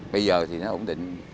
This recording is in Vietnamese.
bây giờ thì nó ổn định